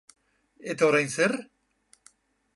Eta orain zer?